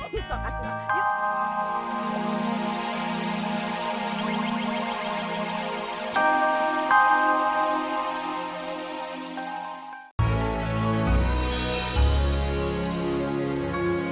oh sok aku mah